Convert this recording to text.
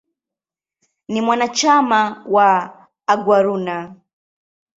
Ni mwanachama wa "Aguaruna".